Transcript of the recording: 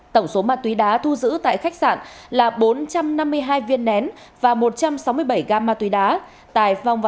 tổng số ma túy đá thu giữ tại khách sạn là bốn trăm năm mươi hai viên nén và một trăm sáu mươi bảy gam ma túy đá